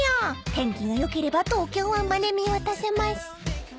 ［天気が良ければ東京湾まで見渡せます］